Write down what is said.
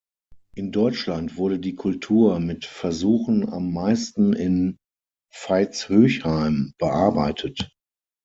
In Deutschland wurde die Kultur mit Versuchen am meisten in Veitshöchheim bearbeitet.